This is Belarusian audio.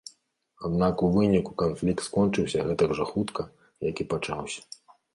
Аднак у выніку канфлікт скончыўся гэтак жа хутка, як і пачаўся.